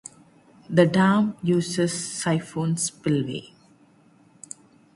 The dam uses siphon spillway.